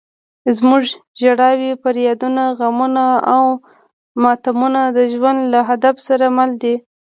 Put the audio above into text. زموږ ژړاوې، فریادونه، غمونه او ماتمونه د ژوند له هدف سره مل دي.